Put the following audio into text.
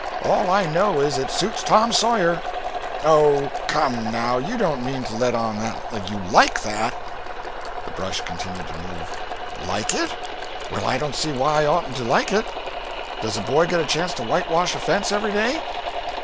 All I know, is, it suits Tom Sawyer." "Oh come, now, you don't mean to let on that you like it?" The brush continued to move. "Like it? Well, I don't see why I oughtn't to like it. Does a boy get a chance to whitewash a fence every day?"